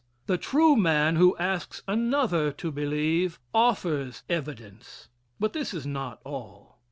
The true man, who asks another to believe, offers evidence. But this is not all.